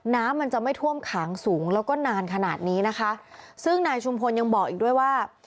น้ำมันจะไม่ท่วมขังสูงแล้วก็นานขนาดนี้นะคะซึ่งนายชุมพลยังบอกอีกด้วยว่า